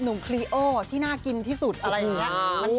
คลีโอที่น่ากินที่สุดอะไรอย่างนี้